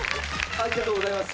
ありがとうございます。